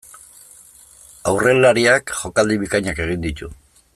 Aurrelariak jokaldi bikainak egin ditu.